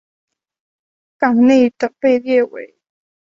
港内的被列为。